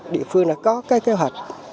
địa phương đã có cái kế hoạch